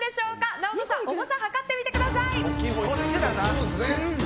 ＮＡＯＴＯさん重さを量ってみてください。